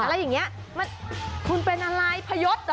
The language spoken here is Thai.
แล้วอย่างนี้มันคุณเป็นอะไรพยศเหรอ